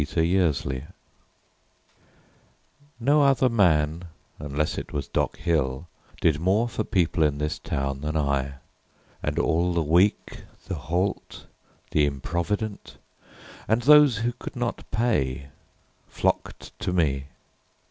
Doctor Meyers No other man, unless it was Doc Hill, Did more for people in this town than I. And all the weak, the halt, the improvident And those who could not pay flocked to me.